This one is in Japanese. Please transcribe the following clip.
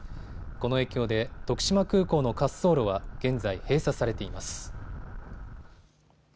この影響で徳島空港の滑走路は現在、閉鎖されています。